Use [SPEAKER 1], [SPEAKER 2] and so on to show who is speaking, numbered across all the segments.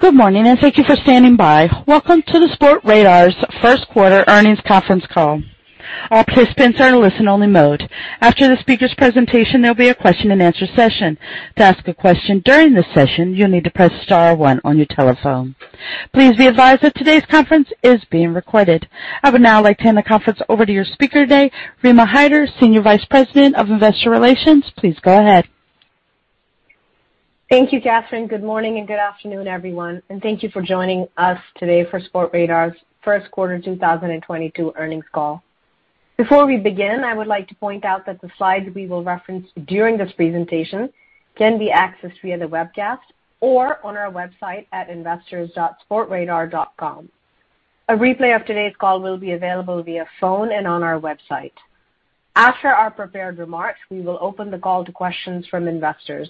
[SPEAKER 1] Good morning, and thank you for standing by. Welcome to the Sportradar's first quarter earnings conference call. All participants are in listen-only mode. After the speaker's presentation, there'll be a question-and-answer session. To ask a question during this session, you need to press star one on your telephone. Please be advised that today's conference is being recorded. I would now like to hand the conference over to your speaker today, Rima Hyder, Senior Vice President of Investor Relations. Please go ahead.
[SPEAKER 2] Thank you, Catherine. Good morning and good afternoon, everyone, and thank you for joining us today for Sportradar's first quarter 2022 earnings call. Before we begin, I would like to point out that the slides we will reference during this presentation can be accessed via the webcast or on our website at investors.sportradar.com. A replay of today's call will be available via phone and on our website. After our prepared remarks, we will open the call to questions from investors.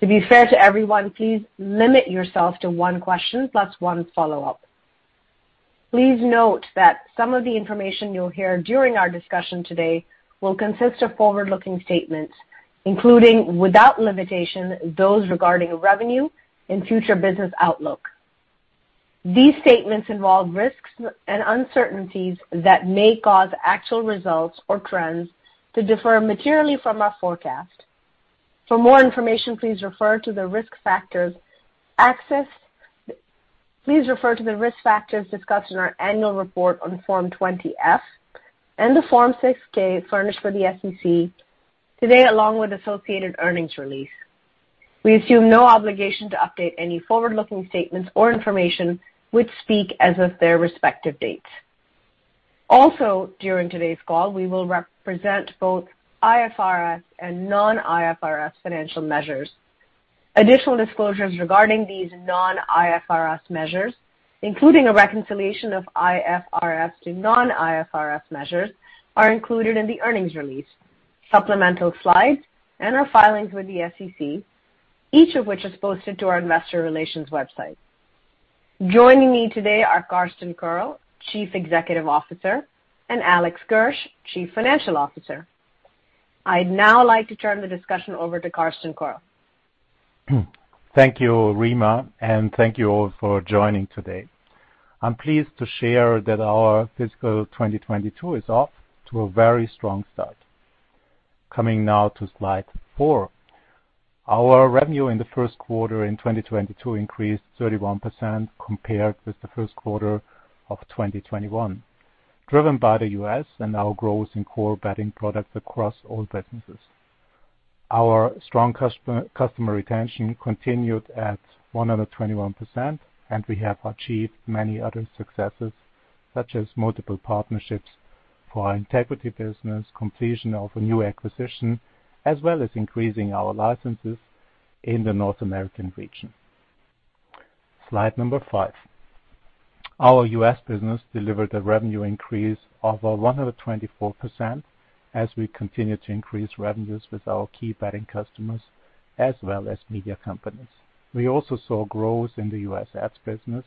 [SPEAKER 2] To be fair to everyone, please limit yourself to one question plus one follow-up. Please note that some of the information you'll hear during our discussion today will consist of forward-looking statements, including, without limitation, those regarding revenue and future business outlook. These statements involve risks and uncertainties that may cause actual results or trends to differ materially from our forecast. For more information, please refer to the risk factors section. Please refer to the risk factors discussed in our annual report on Form 20-F and the Form 6-K furnished to the SEC today, along with associated earnings release. We assume no obligation to update any forward-looking statements or information which speak as of their respective dates. Also, during today's call, we will present both IFRS and non-IFRS financial measures. Additional disclosures regarding these non-IFRS measures, including a reconciliation of IFRS to non-IFRS measures, are included in the earnings release, supplemental slides and our filings with the SEC, each of which is posted to our investor relations website. Joining me today are Carsten Koerl, Chief Executive Officer, and Alex Gersh, Chief Financial Officer. I'd now like to turn the discussion over to Carsten Koerl.
[SPEAKER 3] Thank you, Rima, and thank you all for joining today. I'm pleased to share that our fiscal 2022 is off to a very strong start. Coming now to slide four. Our revenue in the first quarter in 2022 increased 31% compared with the first quarter of 2021, driven by the U.S. and our growth in core betting products across all businesses. Our strong customer retention continued at 121%, and we have achieved many other successes, such as multiple partnerships for our integrity business, completion of a new acquisition, as well as increasing our licenses in the North American region. Slide number five. Our U.S. business delivered a revenue increase of 124% as we continue to increase revenues with our key betting customers as well as media companies. We also saw growth in the U.S. ad:s business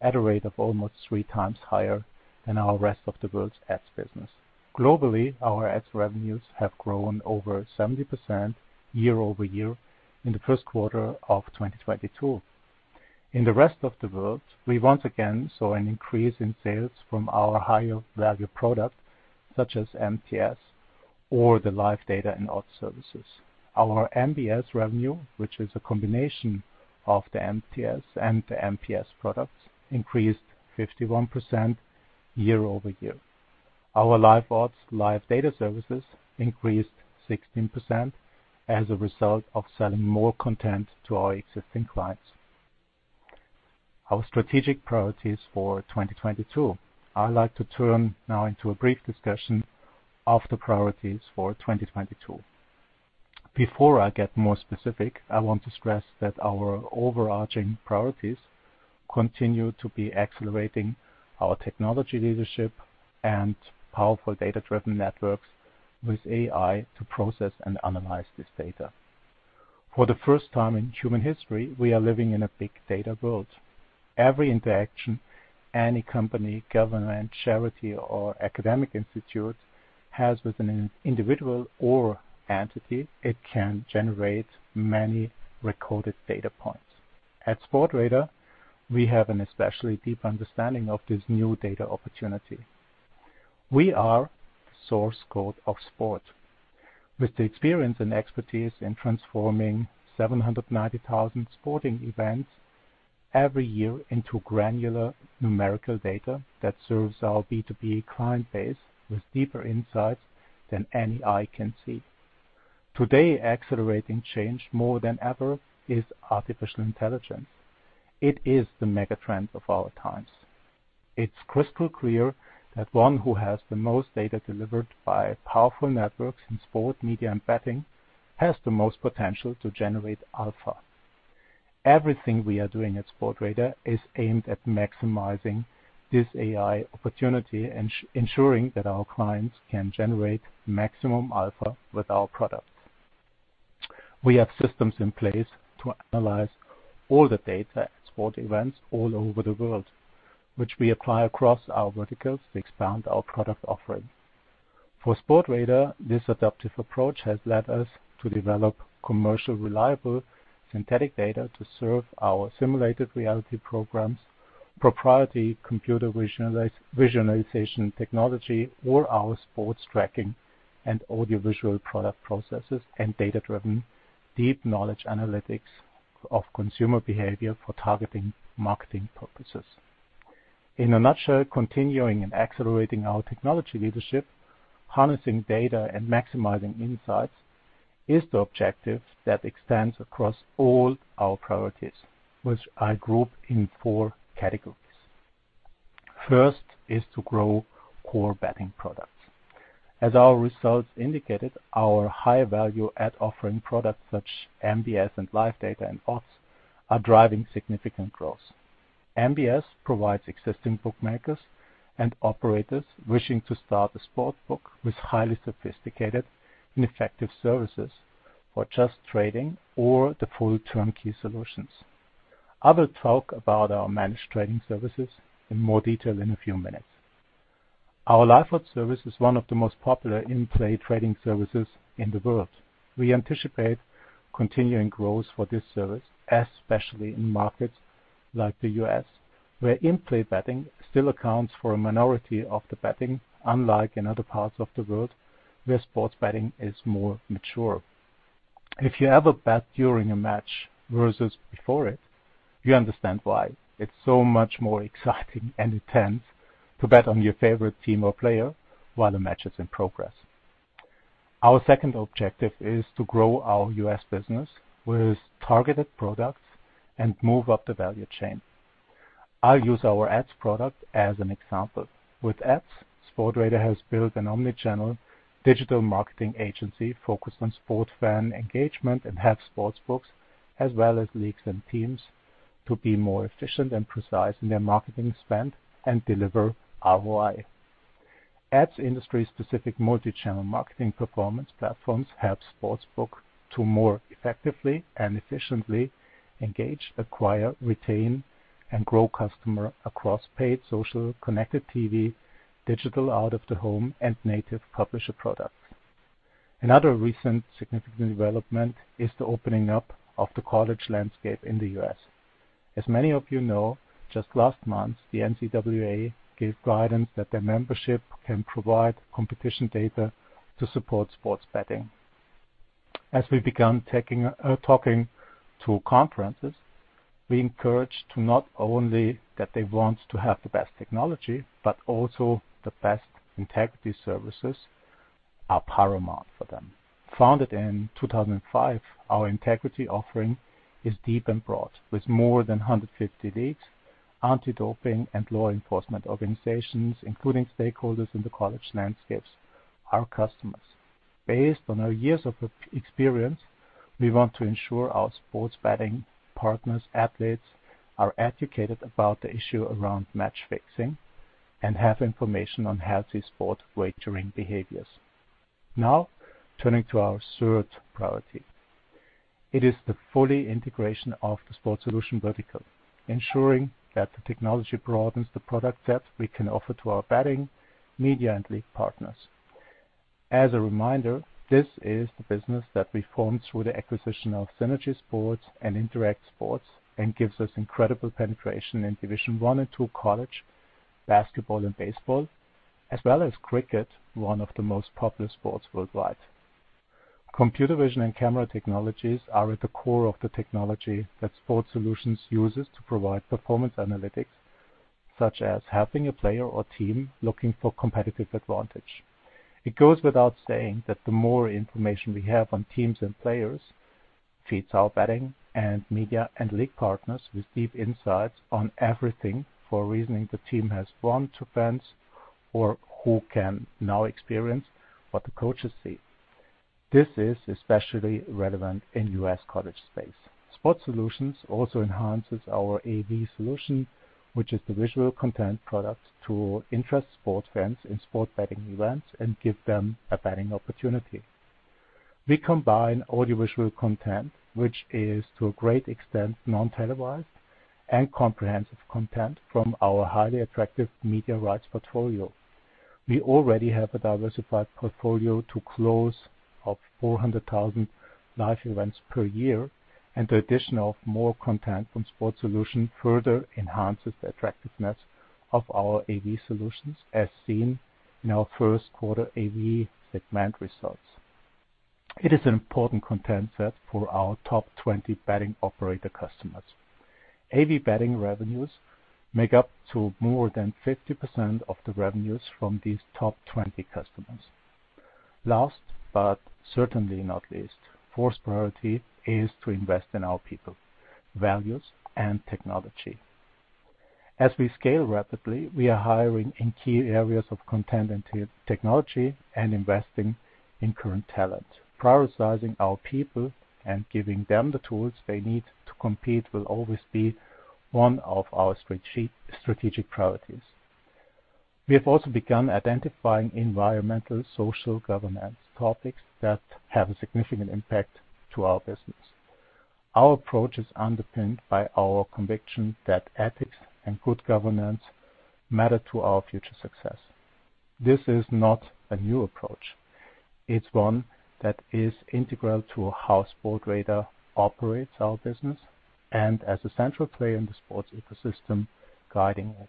[SPEAKER 3] at a rate of almost three times higher than our rest of the world's ad:s business. Globally, our ad:s revenues have grown over 70% year over year in the first quarter of 2022. In the rest of the world, we once again saw an increase in sales from our higher-value product such as MPS or the live data and odds services. Our MBS revenue, which is a combination of the MPS and the MTS products, increased 51% year over year. Our live odds live data services increased 16% as a result of selling more content to our existing clients. Our strategic priorities for 2022. I'd like to turn now to a brief discussion of the priorities for 2022. Before I get more specific, I want to stress that our overarching priorities continue to be accelerating our technology leadership and powerful data-driven networks with AI to process and analyze this data. For the first time in human history, we are living in a big data world. Every interaction any company, government, charity or academic institute has with an individual or entity, it can generate many recorded data points. At Sportradar, we have an especially deep understanding of this new data opportunity. We are source code of sport. With the experience and expertise in transforming 790,000 sporting events every year into granular numerical data that serves our B2B client base with deeper insights than any eye can see. Today, accelerating change more than ever is artificial intelligence. It is the mega trend of our times. It's crystal clear that one who has the most data delivered by powerful networks in sport, media, and betting has the most potential to generate alpha. Everything we are doing at Sportradar is aimed at maximizing this AI opportunity, ensuring that our clients can generate maximum alpha with our products. We have systems in place to analyze all the data at sport events all over the world, which we apply across our verticals to expand our product offering. For Sportradar, this adaptive approach has led us to develop commercial reliable synthetic data to serve our simulated reality programs, proprietary computer visualization technology, or our sports tracking and audiovisual product processes, and data-driven deep knowledge analytics of consumer behavior for targeting marketing purposes. In a nutshell, continuing and accelerating our technology leadership, harnessing data, and maximizing insights is the objective that extends across all our priorities, which I group in four categories. First is to grow core betting products. As our results indicated, our high-value-add offering products, such as MBS and live data and odds, are driving significant growth. MBS provides existing bookmakers and operators wishing to start a sportsbook with highly sophisticated and effective services for just trading or the full turnkey solutions. I will talk about our managed trading services in more detail in a few minutes. Our live odds service is one of the most popular in-play trading services in the world. We anticipate continuing growth for this service, especially in markets like the U.S., where in-play betting still accounts for a minority of the betting, unlike in other parts of the world where sports betting is more mature. If you ever bet during a match versus before it, you understand why it's so much more exciting and intense to bet on your favorite team or player while the match is in progress. Our second objective is to grow our U.S. business with targeted products and move up the value chain. I'll use our ad:s product as an example. With ad:s, Sportradar has built an omni-channel digital marketing agency focused on sports fan engagement and help sportsbooks as well as leagues and teams to be more efficient and precise in their marketing spend and deliver ROI. ad:s industry-specific multi-channel marketing performance platforms help sportsbook to more effectively and efficiently engage, acquire, retain, and grow customer across paid social, connected TV, digital out of the home, and native publisher products. Another recent significant development is the opening up of the college landscape in the U.S. As many of you know, just last month, the NCAA gave guidance that their membership can provide competition data to support sports betting. As we began talking to conferences, we encouraged to not only that they want to have the best technology, but also the best integrity services are paramount for them. Founded in 2005, our integrity offering is deep and broad with more than 150 leagues, anti-doping, and law enforcement organizations, including stakeholders in the college landscapes, our customers. Based on our years of experience, we want to ensure our sports betting partners, athletes, are educated about the issue around match fixing and have information on healthy sport wagering behaviors. Now, turning to our third priority. It is the full integration of the Sports Solutions vertical, ensuring that the technology broadens the product set we can offer to our betting, media, and league partners. As a reminder, this is the business that we formed through the acquisition of Synergy Sports and InteractSport, and gives us incredible penetration in Division I and II college basketball and baseball, as well as cricket, one of the most popular sports worldwide. Computer vision and camera technologies are at the core of the technology that Sports Solutions uses to provide performance analytics, such as helping a player or team looking for competitive advantage. It goes without saying that the more information we have on teams and players feeds our betting and media and league partners with deep insights on everything from the reasons the team has formed to fans who can now experience what the coaches see. This is especially relevant in U.S. college space. Sports Solutions also enhances our AV solution, which is the visual content product to interest sports fans in sports betting events and give them a betting opportunity. We combine audiovisual content, which is to a great extent non-televised, and comprehensive content from our highly attractive media rights portfolio. We already have a diversified portfolio of close to 400,000 live events per year, and the addition of more content from Sports Solution further enhances the attractiveness of our AV solutions as seen in our first quarter AV segment results. It is an important content set for our top 20 betting operator customers. AV betting revenues make up more than 50% of the revenues from these top 20 customers. Last, but certainly not least, fourth priority is to invest in our people, values, and technology. As we scale rapidly, we are hiring in key areas of content and technology and investing in current talent. Prioritizing our people and giving them the tools they need to compete will always be one of our strategic priorities. We have also begun identifying environmental, social governance topics that have a significant impact to our business. Our approach is underpinned by our conviction that ethics and good governance matter to our future success. This is not a new approach. It's one that is integral to how Sportradar operates our business and as a central player in the sports ecosystem guiding it.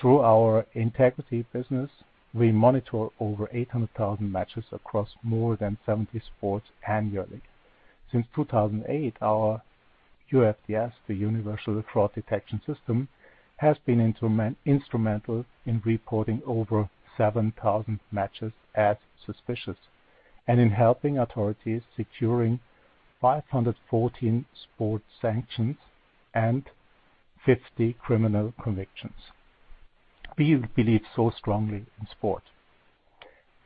[SPEAKER 3] Through our integrity business, we monitor over 800,000 matches across more than 70 sports annually. Since 2008, our UFDS, the Universal Fraud Detection System, has been instrumental in reporting over 7,000 matches as suspicious, and in helping authorities securing 514 sports sanctions and 50 criminal convictions. We believe so strongly in sport,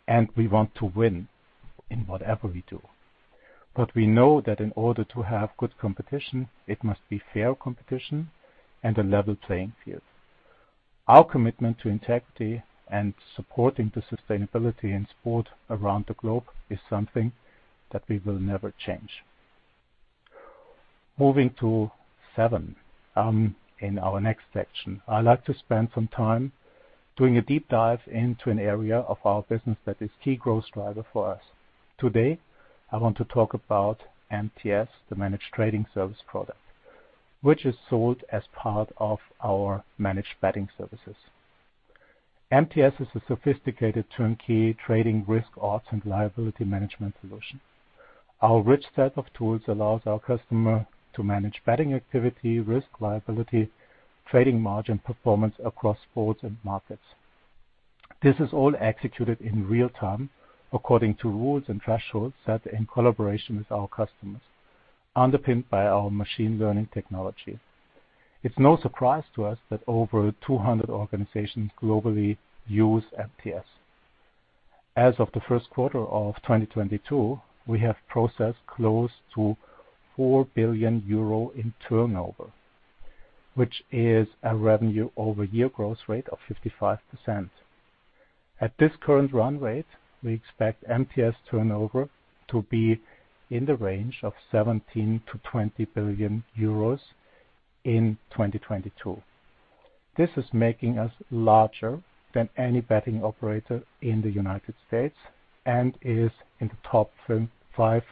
[SPEAKER 3] and we want to win in whatever we do. We know that in order to have good competition, it must be fair competition and a level playing field. Our commitment to integrity and supporting the sustainability in sport around the globe is something that we will never change. Moving to seven, in our next section, I like to spend some time doing a deep dive into an area of our business that is key growth driver for us. Today, I want to talk about MTS, the Managed Trading Service product, which is sold as part of our Managed Betting Services. MTS is a sophisticated turnkey trading risk, odds, and liability management solution. Our rich set of tools allows our customer to manage betting activity, risk liability, trading margin performance across sports and markets. This is all executed in real time according to rules and thresholds set in collaboration with our customers, underpinned by our machine-learning technology. It's no surprise to us that over 200 organizations globally use MTS. As of the first quarter of 2022, we have processed close to 4 billion euro in turnover, which is a year-over-year revenue growth rate of 55%. At this current run rate, we expect MTS turnover to be in the range of 17 billion-20 billion euros in 2022. This is making us larger than any betting operator in the United States and is in the top five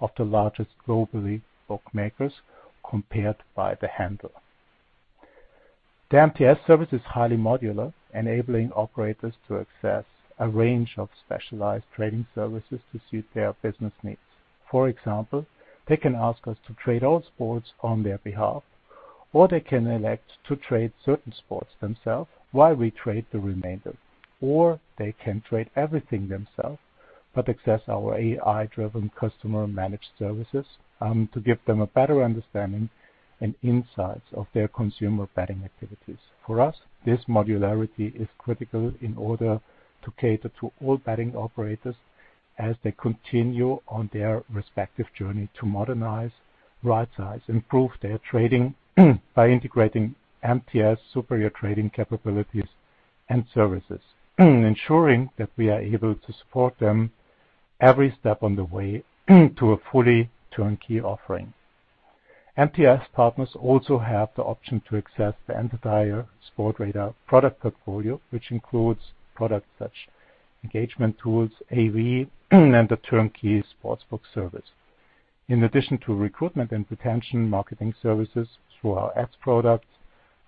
[SPEAKER 3] of the largest global bookmakers compared by the handle. The MTS service is highly modular, enabling operators to access a range of specialized trading services to suit their business needs. For example, they can ask us to trade all sports on their behalf, or they can elect to trade certain sports themselves while we trade the remainder. They can trade everything themselves, but access our AI-driven customer-managed services to give them a better understanding and insights of their consumer betting activities. For us, this modularity is critical in order to cater to all betting operators as they continue on their respective journey to modernize, right-size, improve their trading by integrating MTS superior trading capabilities and services, ensuring that we are able to support them every step on the way to a fully turnkey offering. MTS partners also have the option to access the entire Sportradar product portfolio, which includes products such as engagement tools, AV, and the turnkey sportsbook service. In addition to recruitment and retention marketing services through our ad:s product,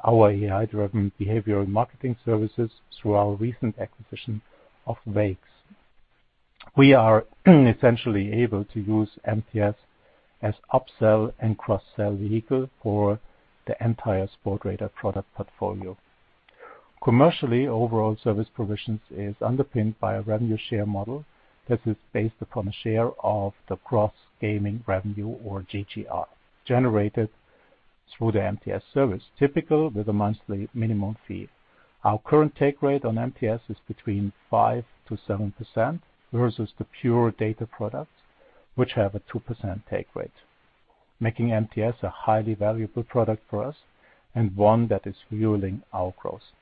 [SPEAKER 3] our AI-driven behavioral marketing services through our recent acquisition of Vaix. We are essentially able to use MTS as upsell and cross-sell vehicle for the entire Sportradar product portfolio. Commercially, overall service provisions is underpinned by a revenue share model that is based upon a share of the gross gaming revenue or GGR generated through the MTS service, typical with a monthly minimum fee. Our current take rate on MTS is between 5%-7% versus the pure data products, which have a 2% take rate, making MTS a highly valuable product for us and one that is fueling our growth.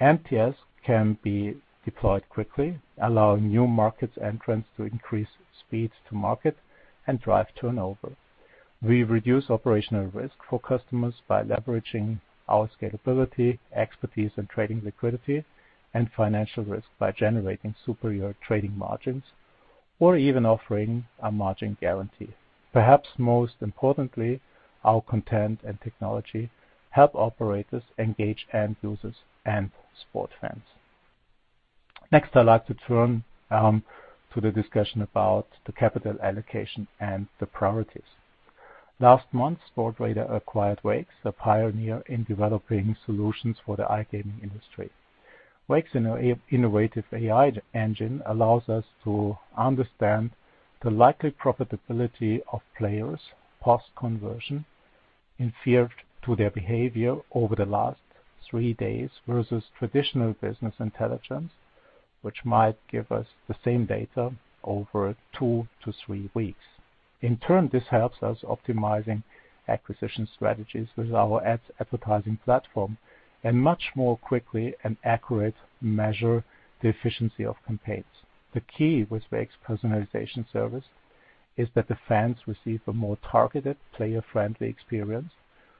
[SPEAKER 3] MTS can be deployed quickly, allowing new markets entrants to increase speeds to market and drive turnover. We reduce operational risk for customers by leveraging our scalability, expertise in trading liquidity and financial risk by generating superior trading margins or even offering a margin guarantee. Perhaps most importantly, our content and technology help operators engage end users and sport fans. Next, I like to turn to the discussion about the capital allocation and the priorities. Last month, Sportradar acquired Vaix, a pioneer in developing solutions for the iGaming industry. Vaix innovative AI engine allows us to understand the likely profitability of players post-conversion inferred from their behavior over the last three days versus traditional business intelligence, which might give us the same data over two to three weeks. In turn, this helps us optimizing acquisition strategies with our ad:s advertising platform and much more quickly and accurately measure the efficiency of campaigns. The key with Vaix personalization services is that the fans receive a more targeted player-friendly experience,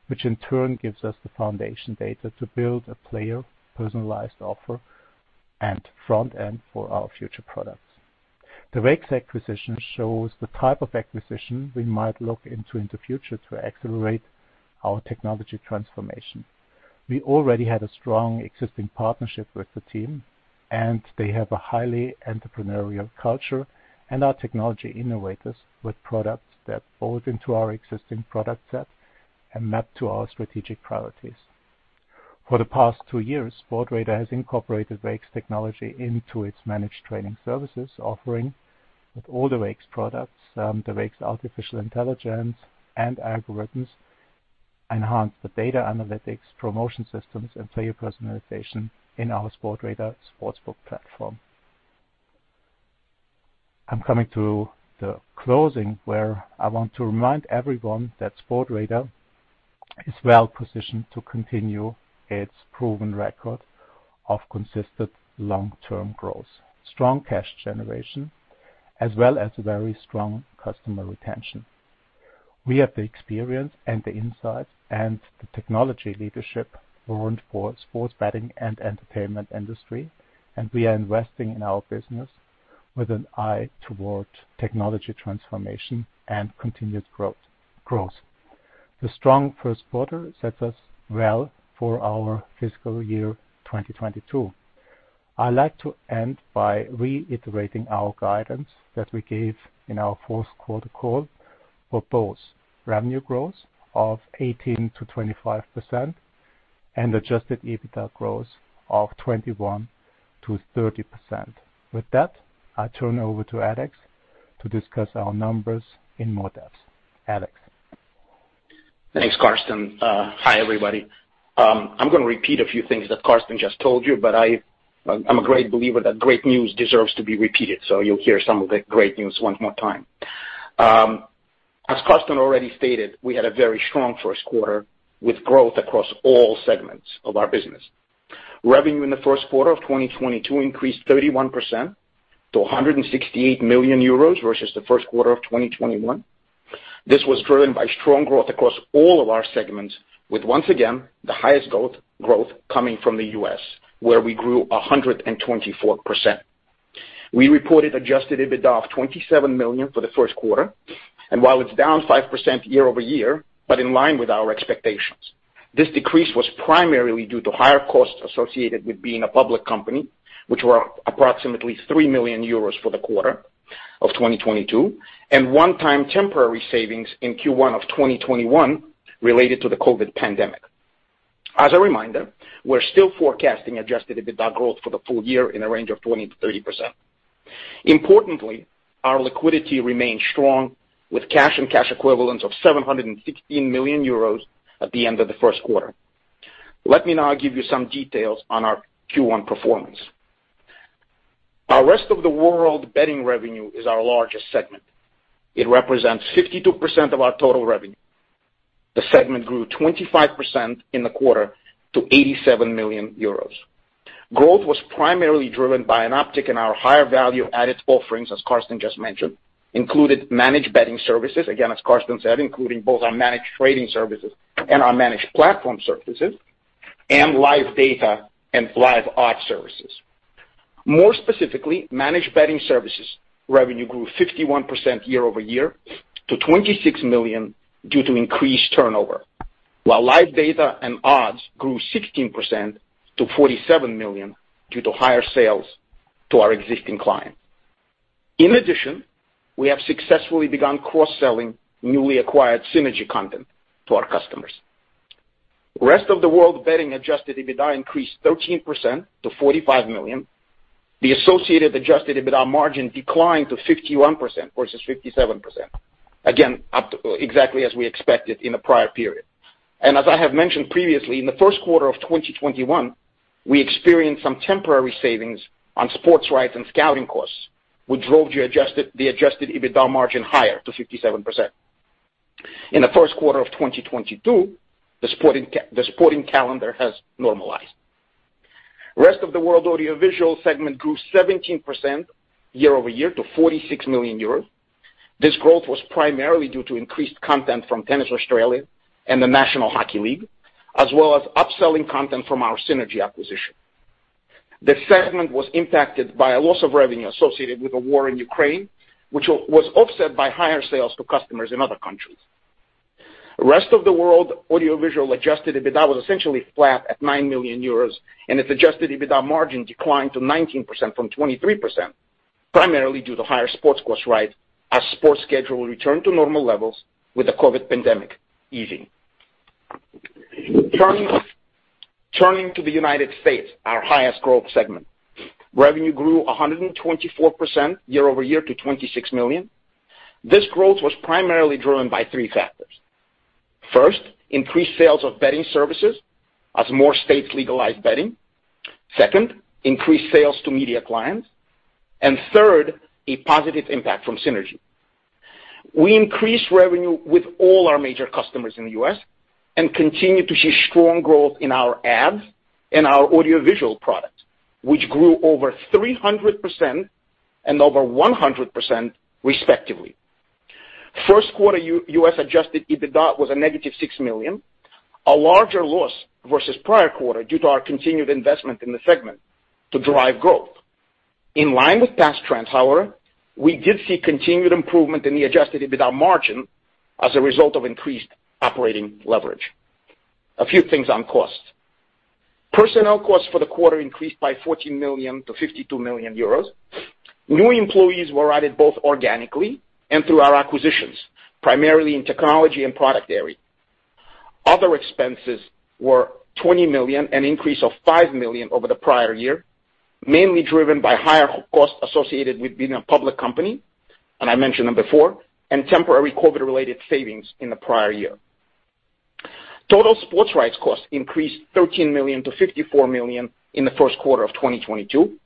[SPEAKER 3] which in turn gives us the foundation data to build a player-personalized offer and front end for our future products. The Vaix acquisition shows the type of acquisition we might look into in the future to accelerate our technology transformation. We already had a strong existing partnership with the team, and they have a highly entrepreneurial culture and are technology innovators with products that fold into our existing product set and map to our strategic priorities. For the past two years, Sportradar has incorporated Vaix's technology into its managed trading services, offering with all the Vaix's products, the Vaix's artificial intelligence and algorithms enhance the data analytics, promotion systems, and player personalization in our Sportradar sportsbook platform. I'm coming to the closing, where I want to remind everyone that Sportradar is well-positioned to continue its proven record of consistent long-term growth, strong cash generation, as well as very strong customer retention. We have the experience and the insight and the technology leadership renowned for sports betting and entertainment industry, and we are investing in our business with an eye toward technology transformation and continuous growth. The strong first quarter sets us well for our fiscal year 2022. I like to end by reiterating our guidance that we gave in our fourth quarter call for both revenue growth of 18%-25% and adjusted EBITDA growth of 21%-30%. With that, I turn over to Alex to discuss our numbers in more depth. Alex.
[SPEAKER 4] Thanks, Carsten. Hi, everybody. I'm gonna repeat a few things that Carsten just told you, but I'm a great believer that great news deserves to be repeated, so you'll hear some of the great news one more time. As Carsten already stated, we had a very strong first quarter with growth across all segments of our business. Revenue in the first quarter of 2022 increased 31% to 168 million euros versus the first quarter of 2021. This was driven by strong growth across all of our segments with once again, the highest growth coming from the U.S., where we grew 124%. We reported adjusted EBITDA of 27 million for the first quarter. While it's down 5% year-over-year, but in line with our expectations, this decrease was primarily due to higher costs associated with being a public company, which were approximately 3 million euros for the quarter of 2022, and one-time temporary savings in Q1 of 2021 related to the COVID pandemic. As a reminder, we're still forecasting adjusted EBITDA growth for the full year in a range of 20%-30%. Importantly, our liquidity remains strong with cash and cash equivalents of 716 million euros at the end of the first quarter. Let me now give you some details on our Q1 performance. Our rest of the world betting revenue is our largest segment. It represents 52% of our total revenue. The segment grew 25% in the quarter to 87 million euros. Growth was primarily driven by an uptick in our higher value-added offerings, as Carsten just mentioned, included managed betting services, again, as Carsten said, including both our managed trading services and our managed platform services, and live data and live odds services. More specifically, managed betting services revenue grew 51% year-over-year to 26 million due to increased turnover, while live data and odds grew 16% to 47 million due to higher sales to our existing clients. In addition, we have successfully begun cross-selling newly acquired Synergy content to our customers. Rest of the world betting adjusted EBITDA increased 13% to 45 million. The associated adjusted EBITDA margin declined to 51% versus 57%. Again, exactly as we expected in the prior period. I have mentioned previously, in the first quarter of 2021, we experienced some temporary savings on sports rights and scouting costs, which drove the adjusted EBITDA margin higher to 57%. In the first quarter of 2022, the sporting calendar has normalized. Rest of the world audiovisual segment grew 17% year-over-year to 46 million euros. This growth was primarily due to increased content from Tennis Australia and the National Hockey League, as well as upselling content from our Synergy acquisition. The segment was impacted by a loss of revenue associated with the war in Ukraine, which was offset by higher sales to customers in other countries. Rest of the world audiovisual adjusted EBITDA was essentially flat at 9 million euros, and its adjusted EBITDA margin declined to 19% from 23%, primarily due to higher sports costs rising as sports schedule returned to normal levels with the COVID pandemic easing. Turning to the United States, our highest growth segment. Revenue grew 124% year-over-year to 26 million. This growth was primarily driven by three factors. First, increased sales of betting services as more states legalize betting. Second, increased sales to media clients. And third, a positive impact from Synergy. We increased revenue with all our major customers in the U.S. and continue to see strong growth in our ad:s and our audiovisual products, which grew over 300% and over 100% respectively. First quarter U.S. Adjusted EBITDA was -6 million, a larger loss versus prior quarter due to our continued investment in the segment to drive growth. In line with past trends, however, we did see continued improvement in the adjusted EBITDA margin as a result of increased operating leverage. A few things on cost. Personnel costs for the quarter increased by 14 million to 52 million euros. New employees were added both organically and through our acquisitions, primarily in technology and product area. Other expenses were 20 million, an increase of 5 million over the prior year, mainly driven by higher costs associated with being a public company, and I mentioned them before, and temporary COVID-related savings in the prior year. Total sports rights costs increased 13 million to 54 million in the first quarter of 2022.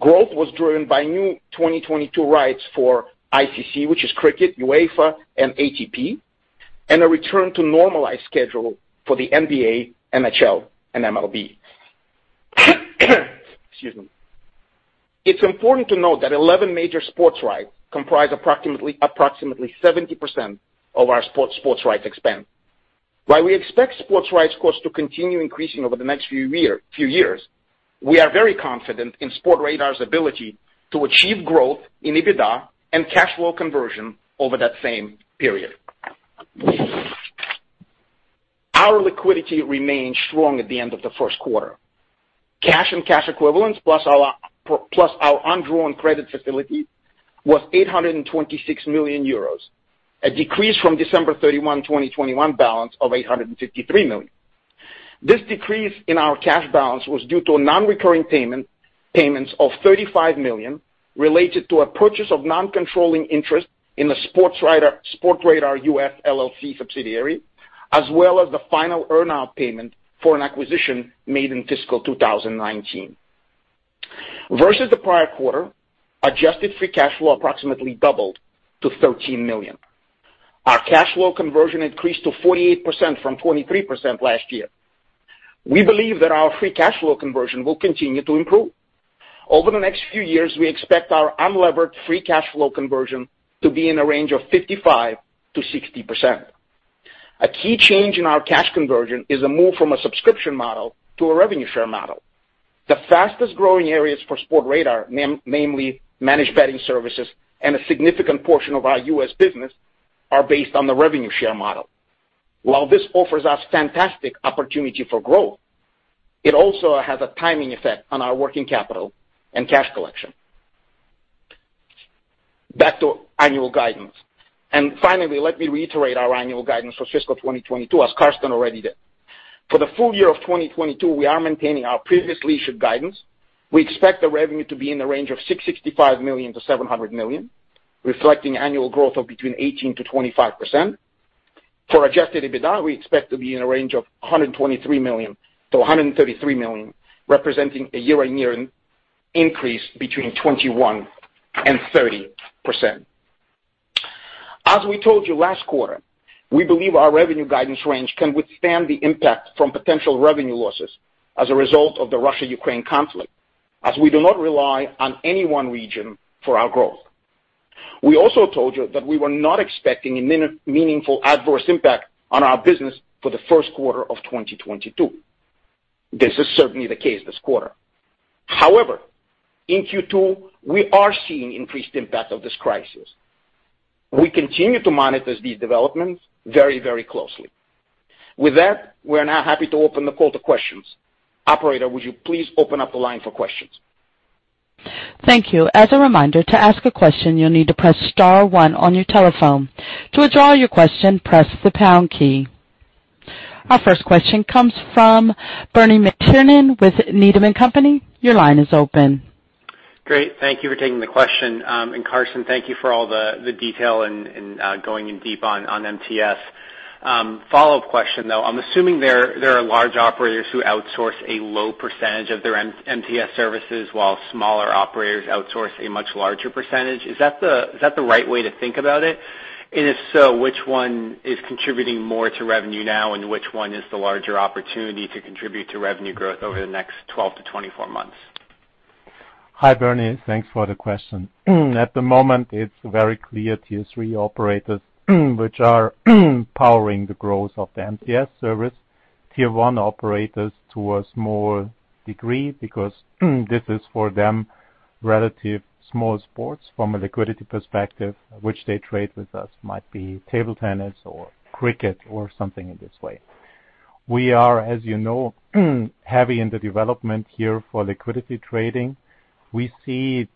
[SPEAKER 4] Growth was driven by new 2022 rights for ICC, which is cricket, UEFA and ATP, and a return to normalized schedule for the NBA, NHL, and MLB. Excuse me. It's important to note that 11 major sports rights comprise approximately 70% of our sports rights expense. While we expect sports rights costs to continue increasing over the next few years, we are very confident in Sportradar's ability to achieve growth in EBITDA and cash flow conversion over that same period. Our liquidity remained strong at the end of the first quarter. Cash and cash equivalents plus our undrawn credit facility was 826 million euros, a decrease from December 31, 2021 balance of 853 million. This decrease in our cash balance was due to a non-recurring payment, payments of EUR 35 million related to a purchase of non-controlling interest in the Sportradar U.S. LLC subsidiary, as well as the final earn-out payment for an acquisition made in fiscal 2019. Versus the prior quarter, adjusted free cash flow approximately doubled to EUR 13 million. Our cash flow conversion increased to 48% from 23% last year. We believe that our free cash flow conversion will continue to improve. Over the next few years, we expect our unlevered free cash flow conversion to be in a range of 55%-60%. A key change in our cash conversion is a move from a subscription model to a revenue share model. The fastest-growing areas for Sportradar, namely managed betting services and a significant portion of our U.S. business, are based on the revenue share model. While this offers us fantastic opportunity for growth, it also has a timing effect on our working capital and cash collection. Back to annual guidance. Finally, let me reiterate our annual guidance for fiscal 2022, as Carsten already did. For the full year of 2022, we are maintaining our previously issued guidance. We expect the revenue to be in the range of 665 million-700 million, reflecting annual growth of between 18%-25%. For adjusted EBITDA, we expect to be in a range of 123 million-133 million, representing a year-on-year increase between 21%-30%. As we told you last quarter, we believe our revenue guidance range can withstand the impact from potential revenue losses as a result of the Russia-Ukraine conflict, as we do not rely on any one region for our growth. We also told you that we were not expecting a mini-meaningful adverse impact on our business for the first quarter of 2022. This is certainly the case this quarter. However, in Q2, we are seeing increased impact of this crisis. We continue to monitor these developments very, very closely. With that, we are now happy to open the call to questions. Operator, would you please open up the line for questions?
[SPEAKER 1] Thank you. As a reminder, to ask a question, you'll need to press star one on your telephone. To withdraw your question, press the pound key. Our first question comes from Bernard McTernan with Needham & Company. Your line is open.
[SPEAKER 5] Great. Thank you for taking the question. Carsten, thank you for all the detail and going in deep on MTS. Follow-up question, though. I'm assuming there are large operators who outsource a low percentage of their MTS services while smaller operators outsource a much larger percentage. Is that the right way to think about it? If so, which one is contributing more to revenue now, and which one is the larger opportunity to contribute to revenue growth over the next 12-24 months?
[SPEAKER 3] Hi, Bernie, thanks for the question. At the moment, it's very clear tier three operators which are powering the growth of the MTS service. Tier one operators to a small degree because this is for them relative small sports from a liquidity perspective, which they trade with us, might be table tennis or cricket or something in this way. We are, as you know, heavy in the development here for liquidity trading. We see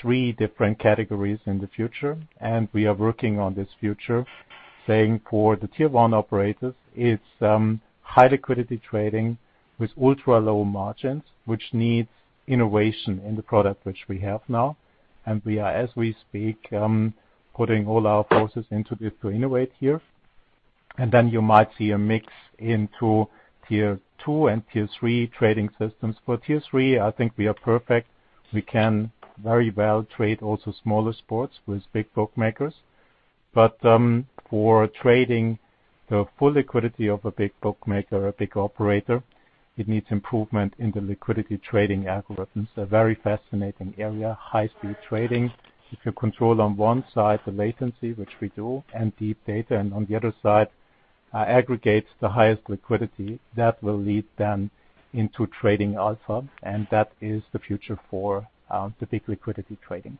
[SPEAKER 3] three different categories in the future, and we are working on this future. Saying for the tier one operators, it's high liquidity trading with ultra-low margins, which needs innovation in the product which we have now. We are, as we speak, putting all our forces into this to innovate here. You might see a mix into tier two and tier three trading systems. For tier three, I think we are perfect. We can very well trade also smaller sports with big bookmakers. For trading the full liquidity of a big bookmaker or a big operator, it needs improvement in the liquidity trading algorithms, a very fascinating area, high-speed trading. If you control on one side the latency, which we do, and deep data, and on the other side, aggregates the highest liquidity, that will lead them into trading alpha, and that is the future for the big liquidity trading.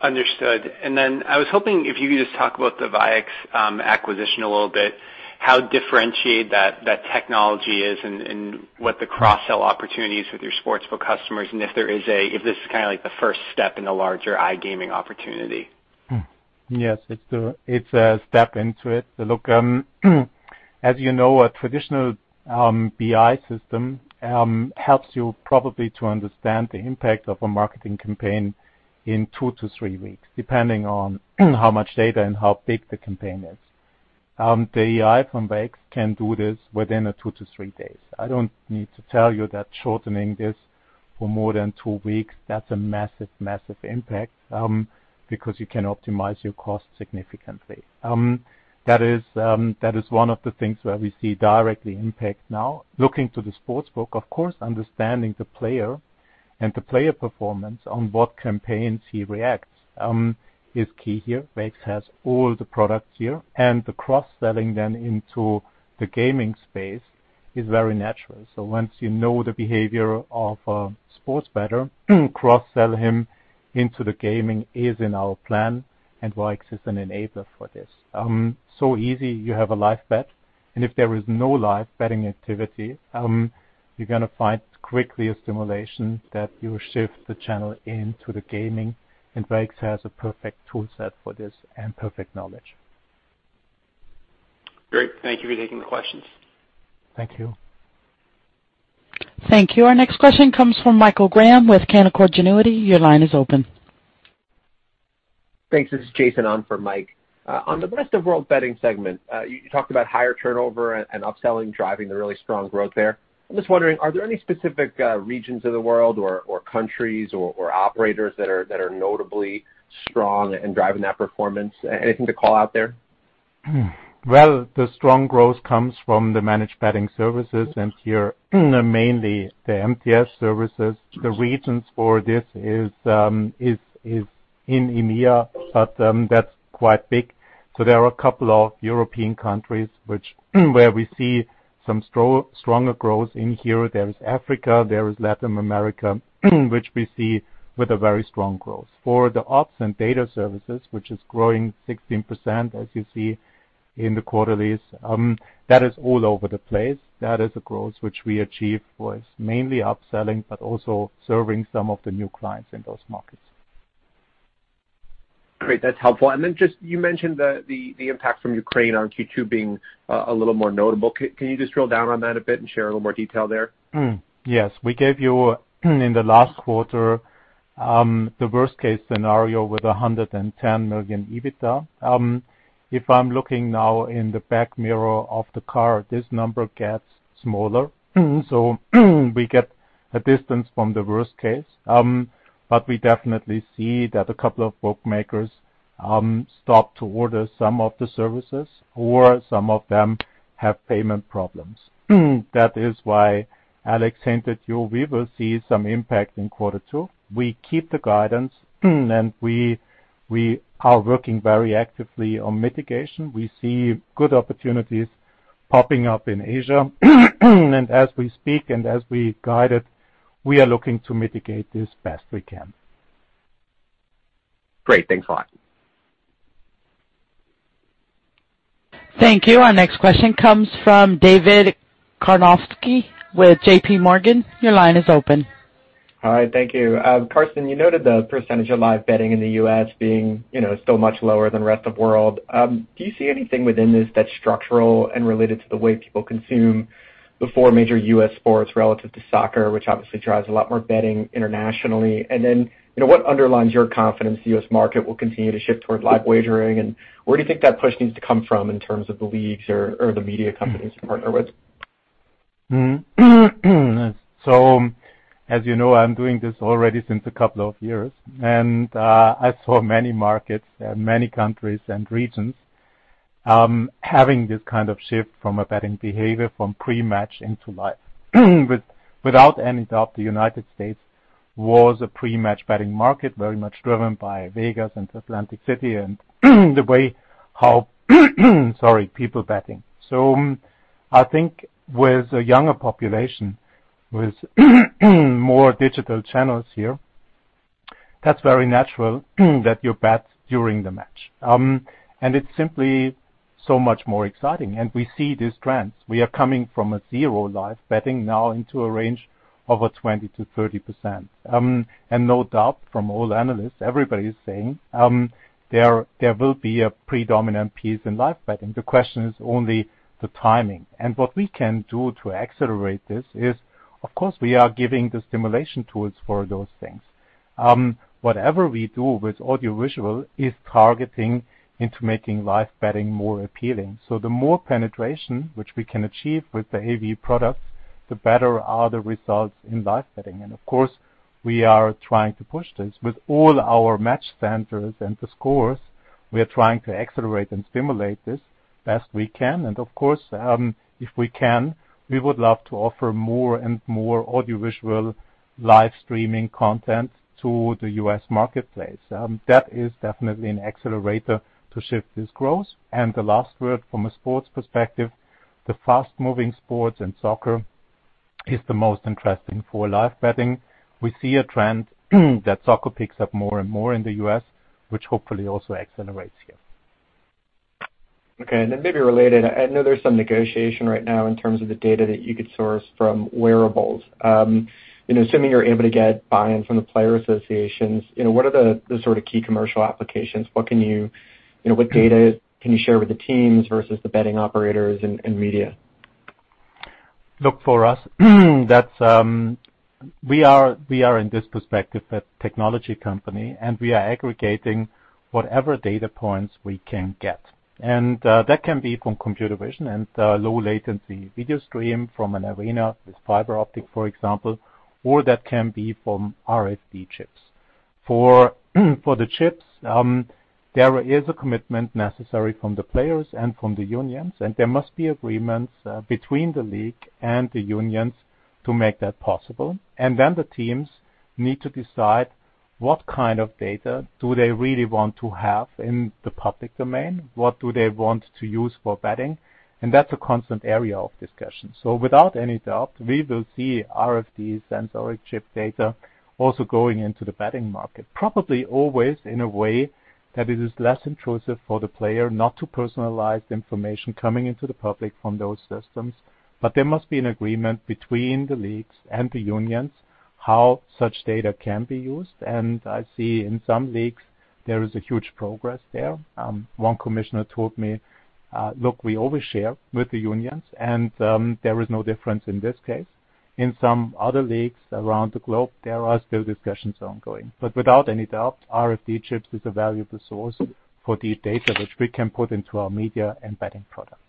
[SPEAKER 5] Understood. Then I was hoping if you could just talk about the Vaix acquisition a little bit, how differentiated that technology is and what the cross-sell opportunities with your sportsbook customers, and if this is kinda like the first step in a larger iGaming opportunity.
[SPEAKER 3] Yes, it's a step into it. Look, as you know, a traditional BI system helps you probably to understand the impact of a marketing campaign in two to three weeks, depending on how much data and how big the campaign is. The AI from Vaix can do this within two to three days. I don't need to tell you that shortening this for more than two weeks, that's a massive impact, because you can optimize your cost significantly. That is one of the things where we see direct impact now. Looking to the sportsbook, of course, understanding the player and the player performance on what campaigns he reacts is key here. Vaix has all the products here, and the cross-selling then into the gaming space is very natural. Once you know the behavior of a sports bettor, cross-sell him into the gaming is in our plan, and Vaix is an enabler for this. So easy, you have a live bet, and if there is no live betting activity, you're gonna find quickly a simulation that you shift the channel into the gaming, and Vaix has a perfect toolset for this and perfect knowledge.
[SPEAKER 5] Great. Thank you for taking the questions.
[SPEAKER 3] Thank you.
[SPEAKER 1] Thank you. Our next question comes from Michael Graham with Canaccord Genuity. Your line is open.
[SPEAKER 6] Thanks. This is Jason on for Mike. On the rest of world betting segment, you talked about higher turnover and upselling driving the really strong growth there. I'm just wondering, are there any specific regions of the world or countries or operators that are notably strong and driving that performance? Anything to call out there?
[SPEAKER 3] Well, the strong growth comes from the managed betting services and here mainly the MTS services. The reasons for this is in EMEA, but that's quite big. There are a couple of European countries where we see some stronger growth in here. There is Africa, there is Latin America, which we see with a very strong growth. For the odds and data services, which is growing 16%, as you see in the quarterlies, that is all over the place. That is a growth which we achieve was mainly upselling but also serving some of the new clients in those markets.
[SPEAKER 6] Great. That's helpful. Then just you mentioned the impact from Ukraine on Q2 being a little more notable. Can you just drill down on that a bit and share a little more detail there?
[SPEAKER 3] Yes. We gave you in the last quarter the worst case scenario with 110 million EBITDA. If I'm looking now in the rearview mirror of the car, this number gets smaller. We get a distance from the worst case. We definitely see that a couple of bookmakers stopped ordering some of the services, or some of them have payment problems. That is why Alex hinted to you, we will see some impact in quarter two. We keep the guidance, and we are working very actively on mitigation. We see good opportunities popping up in Asia. As we speak and as we guided, we are looking to mitigate this best we can.
[SPEAKER 6] Great. Thanks a lot.
[SPEAKER 1] Thank you. Our next question comes from David Katz with JP Morgan. Your line is open.
[SPEAKER 7] All right. Thank you. Carsten, you noted the percentage of live betting in the U.S. being, you know, still much lower than rest of world. Do you see anything within this that's structural and related to the way people consume the four major U.S. sports relative to soccer, which obviously drives a lot more betting internationally? You know, what underlines your confidence the U.S. market will continue to shift toward live wagering, and where do you think that push needs to come from in terms of the leagues or the media companies to partner with?
[SPEAKER 3] As you know, I'm doing this already since a couple of years, and I saw many markets and many countries and regions having this kind of shift from a betting behavior from pre-match into live. Without any doubt, the United States was a pre-match betting market, very much driven by Vegas and Atlantic City, and the way how, sorry, people betting. I think with a younger population, with more digital channels here, that's very natural that you bet during the match. It's simply so much more exciting. We see these trends. We are coming from a zero live betting now into a range of 20%-30%. No doubt from all analysts, everybody is saying, there will be a predominant piece in live betting. The question is only the timing. What we can do to accelerate this is, of course, we are giving the stimulation tools for those things. Whatever we do with audiovisual is targeting into making live betting more appealing. The more penetration which we can achieve with the AV products, the better are the results in live betting. Of course, we are trying to push this with all our match centers and the scores. We are trying to accelerate and stimulate this best we can. Of course, if we can, we would love to offer more and more audiovisual live-streaming content to the U.S. marketplace. That is definitely an accelerator to shift this growth. The last word from a sports perspective, the fast-moving sports and soccer is the most interesting for live betting. We see a trend that soccer picks up more and more in the U.S., which hopefully also accelerates here.
[SPEAKER 7] Okay. Maybe related, I know there's some negotiation right now in terms of the data that you could source from wearables. Assuming you're able to get buy-in from the player associations, you know, what are the sort of key commercial applications? What can you know, what data can you share with the teams versus the betting operators and media?
[SPEAKER 3] Look, for us, that's We are in this perspective a technology company, and we are aggregating whatever data points we can get. That can be from computer vision and low-latency video stream from an arena with fiber optic, for example, or that can be from RFID chips. For the chips, there is a commitment necessary from the players and from the unions, and there must be agreements between the league and the unions to make that possible. Then the teams need to decide what kind of data do they really want to have in the public domain, what do they want to use for betting, and that's a constant area of discussion. Without any doubt, we will see RFID sensoric chip data also going into the betting market, probably always in a way that it is less intrusive for the player, not to personalize information coming into the public from those systems. There must be an agreement between the leagues and the unions how such data can be used. I see in some leagues there is a huge progress there. One commissioner told me, "Look, we overshare with the unions, and there is no difference in this case." In some other leagues around the globe, there are still discussions ongoing. Without any doubt, RFID chips is a valuable source for the data which we can put into our media and betting products.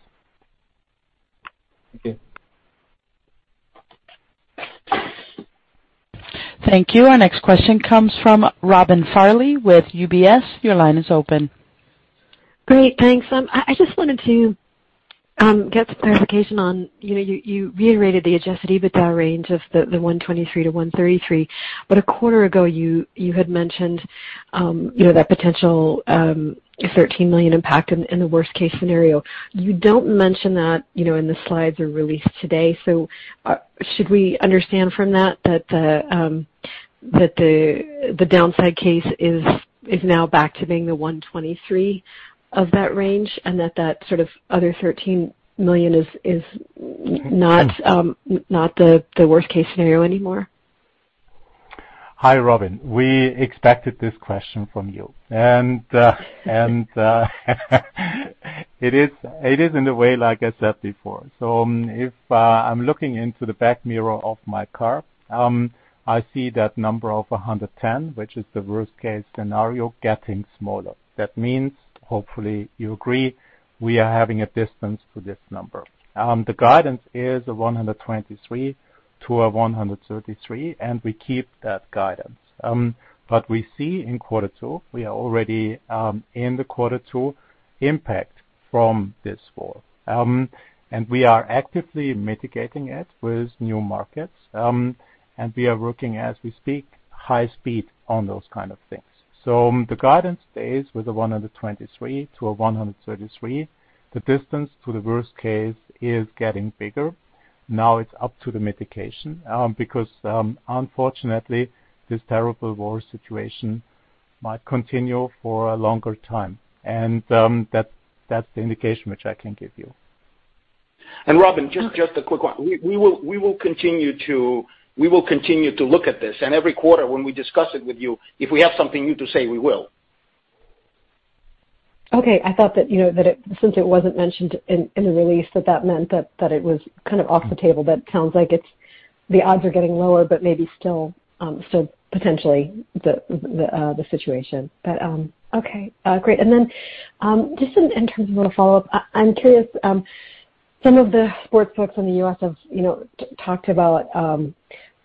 [SPEAKER 7] Okay.
[SPEAKER 1] Thank you. Our next question comes from Robin Farley with UBS. Your line is open.
[SPEAKER 8] Great. Thanks. I just wanted to get some clarification on, you know, you reiterated the adjusted EBITDA range of 123 million-133 million, but a quarter ago, you had mentioned, you know, that potential 13 million impact in the worst-case scenario. You don't mention that, you know, in the slides or release today. So, should we understand from that the downside case is now back to being the 123 million of that range, and that sort of other 13 million is not the worst-case scenario anymore?
[SPEAKER 3] Hi, Robin. We expected this question from you. It is in a way, like I said before. If I'm looking into the back mirror of my car, I see that number of 110, which is the worst-case scenario, getting smaller. That means, hopefully you agree, we are having a distance to this number. The guidance is 123%-133%, and we keep that guidance. We see in quarter two, we are already in the quarter two impact from this fall. We are actively mitigating it with new markets, and we are working as we speak high speed on those kind of things. The guidance stays with the 123%-133%. The distance to the worst case is getting bigger. Now it's up to the mitigation, because, unfortunately, this terrible war situation might continue for a longer time, and that's the indication which I can give you.
[SPEAKER 4] Robin, just a quick one. We will continue to look at this. Every quarter when we discuss it with you, if we have something new to say, we will.
[SPEAKER 8] Okay. I thought that, you know, that it since it wasn't mentioned in the release, that meant that it was kind of off the table. That sounds like it's the odds are getting lower but maybe still potentially the situation. Okay. Great. Just in terms of a follow-up, I'm curious, some of the sportsbooks in the U.S. have, you know, talked about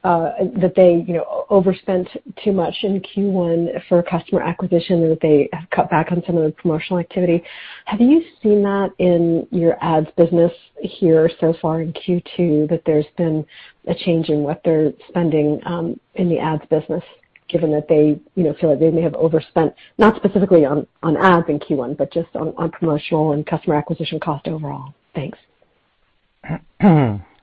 [SPEAKER 8] that they, you know, overspent too much in Q1 for customer acquisition or that they have cut back on some of the promotional activity. Have you seen that in your ad:s business here so far in Q2, that there's been a change in what they're spending in the ad:s business, given that they, you know, feel like they may have overspent, not specifically on ad:s in Q1, but just on promotional and customer acquisition cost overall? Thanks.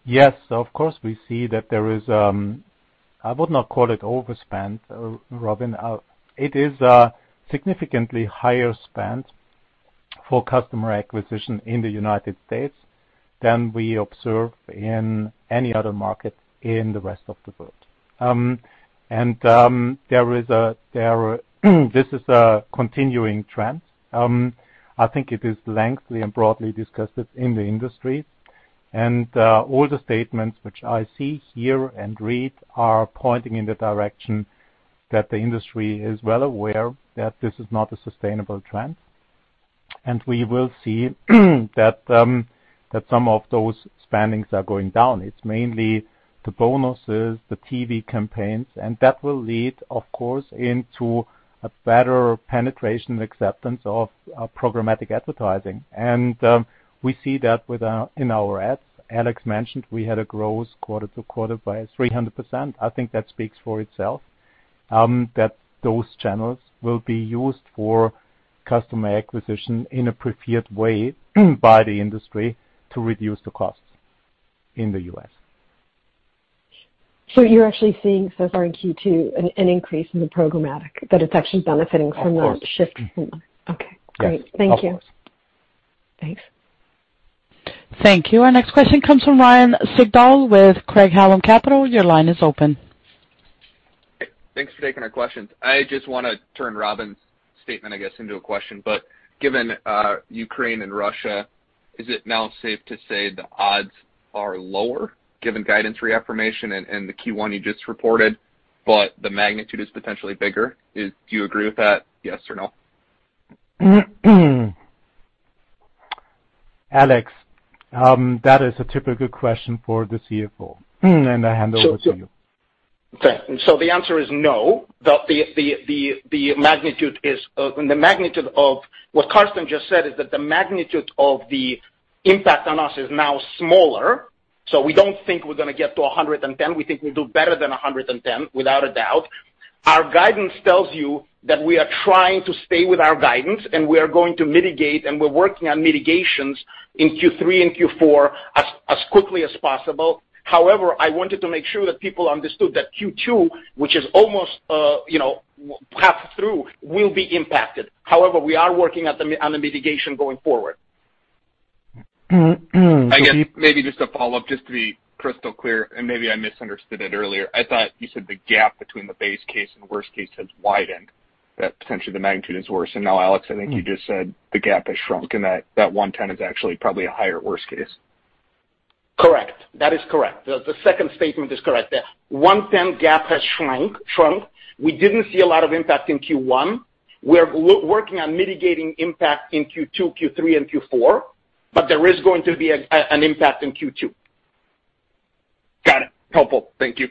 [SPEAKER 3] Yes, of course, we see that there is, I would not call it overspent, Robin. It is a significantly higher spend for customer acquisition in the United States than we observe in any other market in the rest of the world. This is a continuing trend. I think it is lengthily and broadly discussed in the industry. All the statements which I see, hear, and read are pointing in the direction that the industry is well aware that this is not a sustainable trend. We will see that some of those spendings are going down. It's mainly the bonuses, the TV campaigns, and that will lead, of course, into a better penetration acceptance of programmatic advertising. We see that in our ad:s. Alex mentioned we had a growth quarter to quarter by 300%. I think that speaks for itself, that those channels will be used for customer acquisition in a preferred way by the industry to reduce the costs in the U.S.
[SPEAKER 8] You're actually seeing so far in Q2 an increase in the programmatic that it's actually benefiting from the.
[SPEAKER 3] Of course.
[SPEAKER 8] Mm-hmm. Okay.
[SPEAKER 3] Yes.
[SPEAKER 8] Great. Thank you.
[SPEAKER 3] Of course.
[SPEAKER 8] Thanks.
[SPEAKER 1] Thank you. Our next question comes from Ryan Sigdahl with Craig-Hallum Capital. Your line is open.
[SPEAKER 9] Thanks for taking our questions. I just wanna turn Robin's statement, I guess, into a question. Given Ukraine and Russia, is it now safe to say the odds are lower given guidance reaffirmation and the Q1 you just reported, but the magnitude is potentially bigger? Do you agree with that, yes or no?
[SPEAKER 3] Alex, that is a typical question for the CFO. I hand over to you.
[SPEAKER 4] Okay. The answer is no. The magnitude of what Carsten just said is that the magnitude of the impact on us is now smaller. We don't think we're gonna get to 110. We think we'll do better than 110 without a doubt. Our guidance tells you that we are trying to stay with our guidance, and we are going to mitigate, and we're working on mitigations in Q3 and Q4 as quickly as possible. However, I wanted to make sure that people understood that Q2, which is almost half through, will be impacted. However, we are working on the mitigation going forward.
[SPEAKER 9] I guess maybe just a follow-up, just to be crystal clear, and maybe I misunderstood it earlier. I thought you said the gap between the base case and worst case has widened, that potentially the magnitude is worse. Now, Alex, I think you just said the gap has shrunk and that 110 is actually probably a higher worst case.
[SPEAKER 4] Correct. That is correct. The second statement is correct. The 1-10 gap has shrunk. We didn't see a lot of impact in Q1. We're working on mitigating impact in Q2, Q3, and Q4, but there is going to be an impact in Q2.
[SPEAKER 9] Got it. Helpful. Thank you.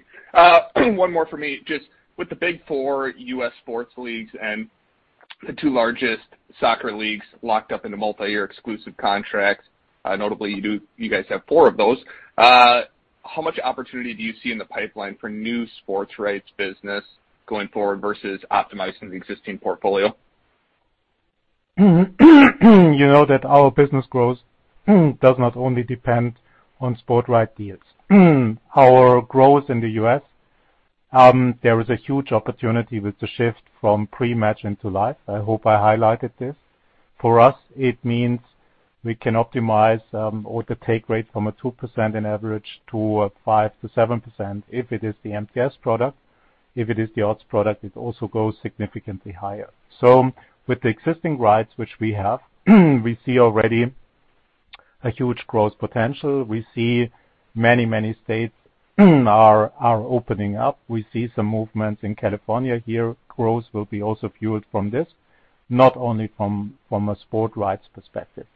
[SPEAKER 9] One more for me. Just with the big four U.S. sports leagues and the two largest soccer leagues locked up into multi-year exclusive contracts, notably you guys have four of those, how much opportunity do you see in the pipeline for new sports rights business going forward versus optimizing the existing portfolio?
[SPEAKER 3] You know that our business growth does not only depend on sports rights deals. Our growth in the U.S., there is a huge opportunity with the shift from pre-match into live. I hope I highlighted this. For us, it means we can optimize, odds take rate from a 2% on average to a 5%-7% if it is the MTS product. If it is the odds product, it also goes significantly higher. With the existing rights which we have, we see already a huge growth potential. We see many states are opening up. We see some movements in California here. Growth will be also fueled from this, not only from a sports rights perspective.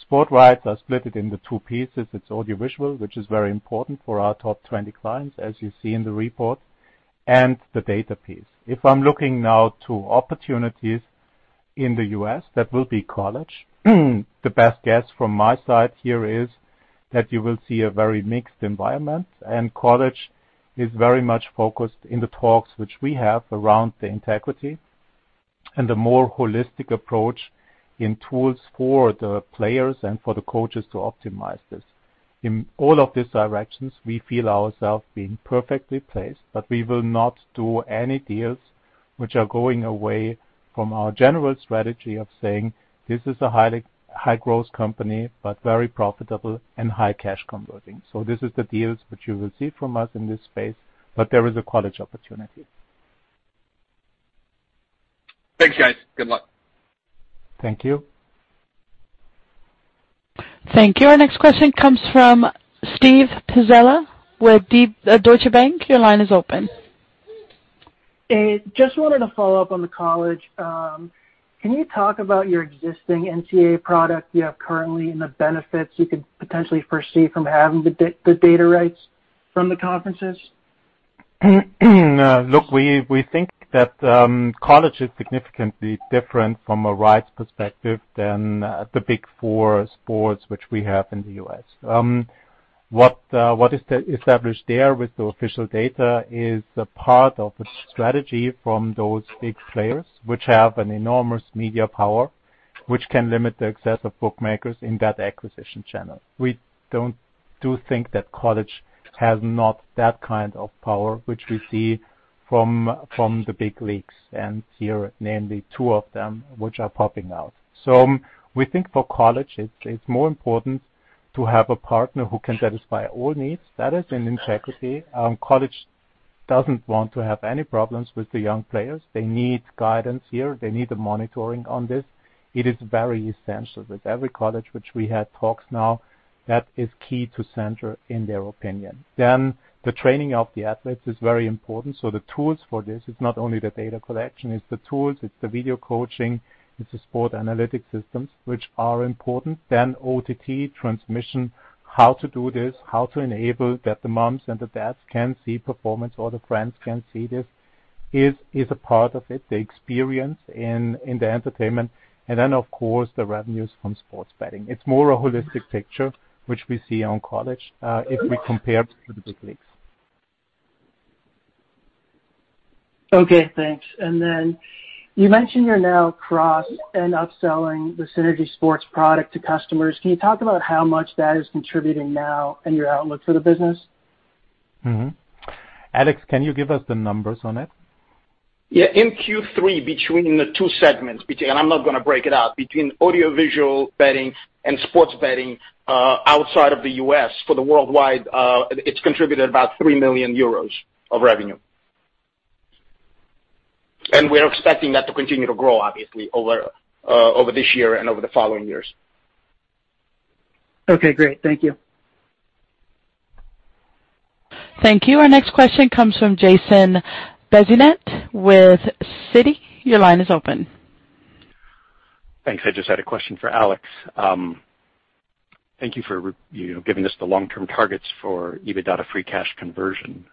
[SPEAKER 3] Sports rights are split into two pieces. It's audiovisual, which is very important for our top 20 clients, as you see in the report, and the data piece. If I'm looking now to opportunities in the U.S., that will be college. The best guess from my side here is that you will see a very mixed environment, and college is very much focused in the talks which we have around the integrity and a more holistic approach in tools for the players and for the coaches to optimize this. In all of these directions, we feel ourselves being perfectly placed, but we will not do any deals which are going away from our general strategy of saying, this is a highly high-growth company, but very profitable and high cash converting. This is the deals which you will see from us in this space, but there is a college opportunity.
[SPEAKER 9] Thanks, guys. Good luck.
[SPEAKER 3] Thank you.
[SPEAKER 1] Thank you. Our next question comes from Steven Pizzella with Deutsche Bank. Your line is open.
[SPEAKER 10] Hey. Just wanted to follow up on the college. Can you talk about your existing NCAA product you have currently and the benefits you could potentially foresee from having the data rights from the conferences?
[SPEAKER 3] Look, we think that college is significantly different from a rights perspective than the big four sports which we have in the U.S. What is established there with the official data is a part of a strategy from those big players which have an enormous media power, which can limit the access of bookmakers in that acquisition channel. We don't think that college has not that kind of power which we see from the big leagues, and here, namely two of them which are popping out. We think for college, it's more important to have a partner who can satisfy all needs. That is in integrity. College doesn't want to have any problems with the young players. They need guidance here. They need the monitoring on this. It is very essential with every college which we have talks with now, that is key to central in their opinion. The training of the athletes is very important. The tools for this, it's not only the data collection, it's the tools, it's the video coaching, it's the sports analytics systems which are important. OTT transmission, how to do this, how to enable that the moms and the dads can see performance or the friends can see this is a part of it, the experience in the entertainment, and then of course, the revenues from sports betting. It's more a holistic picture which we see for college, if we compare to the big leagues.
[SPEAKER 10] Okay, thanks. You mentioned you're now cross and upselling the Synergy Sports product to customers. Can you talk about how much that is contributing now and your outlook for the business?
[SPEAKER 3] Alex, can you give us the numbers on it?
[SPEAKER 4] Yeah. In Q3, between the two segments, and I'm not gonna break it out. Between audiovisual betting and sports betting, outside of the U.S. for the worldwide, it's contributed about 3 million euros of revenue. We're expecting that to continue to grow, obviously, over this year and over the following years.
[SPEAKER 10] Okay, great. Thank you.
[SPEAKER 1] Thank you. Our next question comes from Jason Bazinet with Citi. Your line is open.
[SPEAKER 11] Thanks. I just had a question for Alex. Thank you for you know, giving us the long-term targets for EBITDA free cash conversion.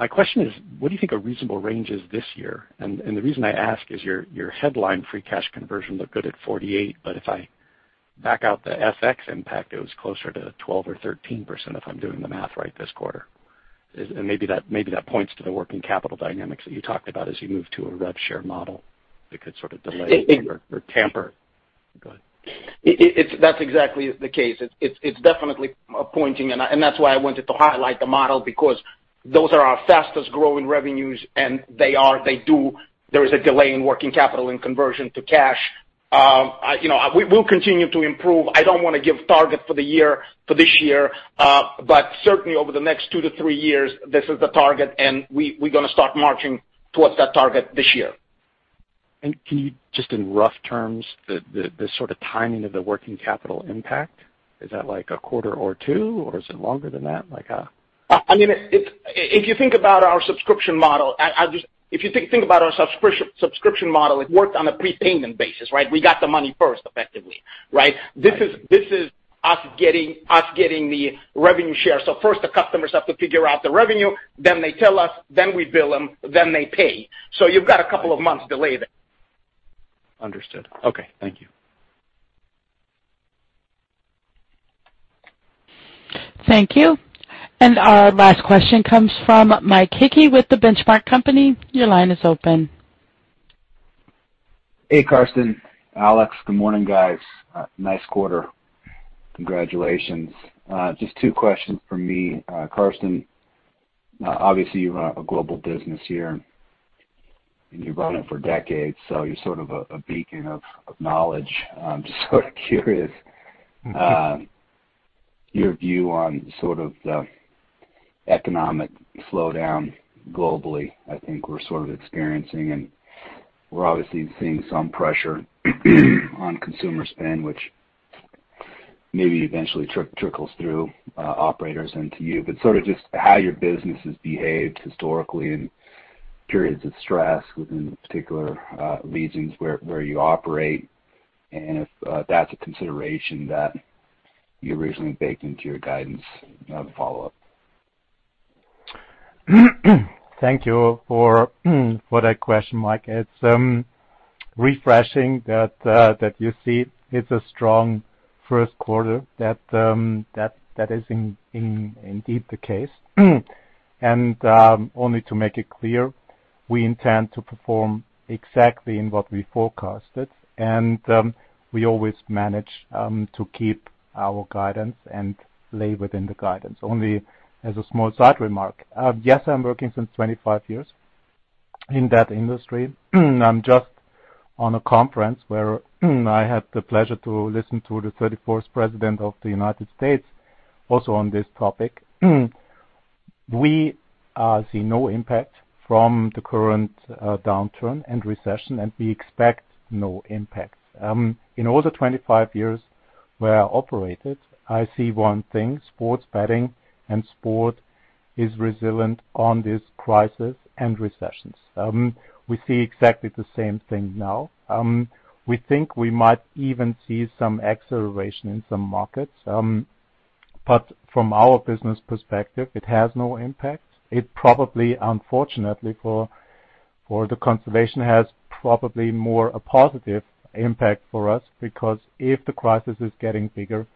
[SPEAKER 11] My question is, what do you think a reasonable range is this year? The reason I ask is your headline free cash conversion looked good at 48%, but if I back out the FX impact, it was closer to 12% or 13%, if I'm doing the math right this quarter. Maybe that points to the working capital dynamics that you talked about as you move to a rev share model that could sort of delay or tamper. Go ahead.
[SPEAKER 4] That's exactly the case. It's definitely pointing and that's why I wanted to highlight the model because those are our fastest growing revenues, and they do. There is a delay in working capital and conversion to cash. You know, we'll continue to improve. I don't wanna give target for the year, for this year, but certainly over the next two to three years, this is the target, and we're gonna start marching towards that target this year.
[SPEAKER 11] Can you just in rough terms, the sort of timing of the working capital impact, is that like a quarter or two, or is it longer than that?
[SPEAKER 4] I mean, if you think about our subscription model, it worked on a prepayment basis, right? We got the money first effectively, right?
[SPEAKER 11] Right.
[SPEAKER 4] This is us getting the revenue share. First the customers have to figure out the revenue, then they tell us, then we bill them, then they pay. You've got a couple of months delay there.
[SPEAKER 11] Understood. Okay. Thank you.
[SPEAKER 1] Thank you. Our last question comes from Mike Hickey with the Benchmark Company. Your line is open.
[SPEAKER 12] Hey, Carsten, Alex. Good morning, guys. Nice quarter. Congratulations. Just two questions from me. Carsten, obviously, you run a global business here, and you've run it for decades, so you're sort of a beacon of knowledge. I'm just sort of curious, your view on sort of the economic slowdown globally, I think we're sort of experiencing, and we're obviously seeing some pressure on consumer spend, which maybe eventually trickles through operators into you. Sort of just how your business has behaved historically in periods of stress within particular regions where you operate, and if that's a consideration that you originally baked into your guidance. I have a follow-up.
[SPEAKER 3] Thank you for that question, Mike. It's refreshing that you see it's a strong first quarter that is indeed the case. Only to make it clear, we intend to perform exactly as we forecasted, and we always manage to keep our guidance and lie within the guidance. Only as a small side remark. Yes, I'm working since 25 years in that industry. I'm just at a conference where I had the pleasure to listen to the 34th President of the United States also on this topic. We see no impact from the current downturn and recession, and we expect no impact. In all the 25 years where I operated, I see one thing, sports betting and sports are resilient in this crisis and recessions. We see exactly the same thing now. We think we might even see some acceleration in some markets. From our business perspective, it has no impact. It probably, unfortunately for the consumer, has probably more a positive impact for us because if the crisis is getting bigger,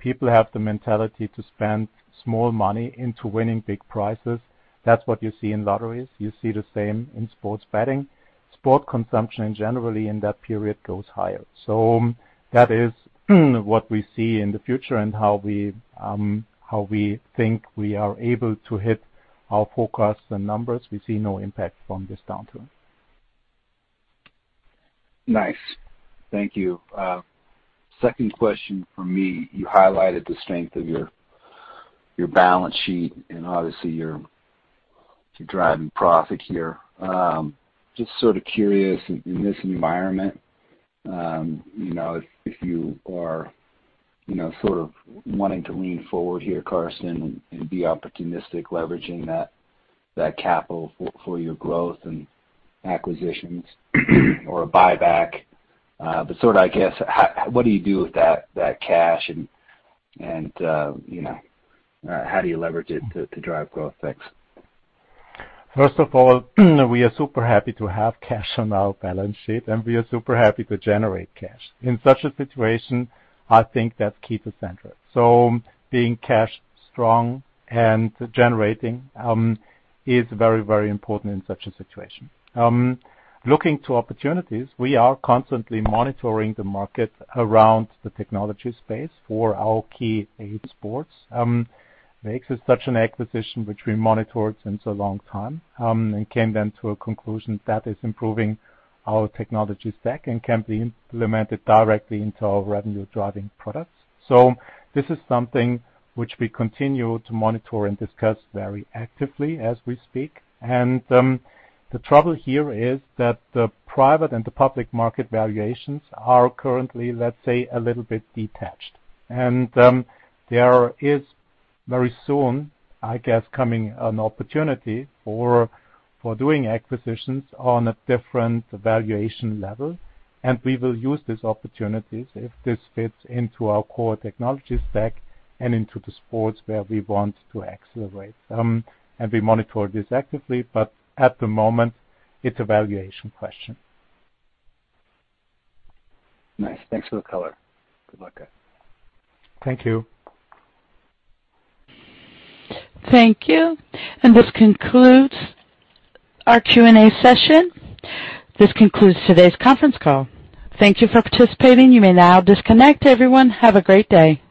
[SPEAKER 3] people have the mentality to spend small money into winning big prizes. That's what you see in lotteries. You see the same in sports betting. Sport consumption generally in that period goes higher. That is what we see in the future and how we think we are able to hit our forecast and numbers. We see no impact from this downturn.
[SPEAKER 12] Nice. Thank you. Second question for me. You highlighted the strength of your balance sheet and obviously you're driving profit here. Just sort of curious in this environment, you know, if you are, you know, sort of wanting to lean forward here, Carsten, and be opportunistic leveraging that capital for your growth and acquisitions or a buyback. Sort of I guess, what do you do with that cash and, you know, how do you leverage it to drive growth? Thanks.
[SPEAKER 3] First of all, we are super happy to have cash on our balance sheet, and we are super happy to generate cash. In such a situation, I think that's key to center. Being cash strong and generating is very, very important in such a situation. Looking to opportunities, we are constantly monitoring the market around the technology space for our key eight sports. We made such an acquisition which we monitored for a long time, and came then to a conclusion that is improving our technology stack and can be implemented directly into our revenue-driving products. This is something which we continue to monitor and discuss very actively as we speak. The trouble here is that the private and the public market valuations are currently, let's say, a little bit detached. There is very soon, I guess, coming an opportunity for doing acquisitions on a different valuation level, and we will use these opportunities if this fits into our core technology stack and into the sports where we want to accelerate. We monitor this actively, but at the moment, it's a valuation question.
[SPEAKER 12] Nice. Thanks for the color. Good luck.
[SPEAKER 3] Thank you.
[SPEAKER 1] Thank you. This concludes our Q&A session. This concludes today's conference call. Thank you for participating. You may now disconnect. Everyone, have a great day.